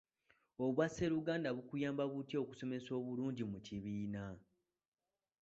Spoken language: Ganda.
Obwasseruganda bukuyamba butya okusomesa obulungi mu kibiina ?